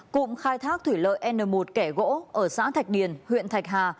cụm khai thác thủy lợi n một kẻ gỗ ở xã thạch điền huyện thạch hà